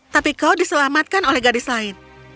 tapi kau diselamatkan oleh gadis lain